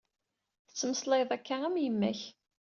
Tettmeslayeḍ akka am yemma-k.